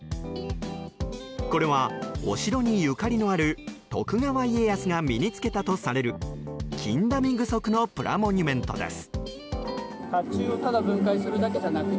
これは、お城にゆかりのある徳川家康が身に着けたとされる金陀美具足のプラモニュメントです。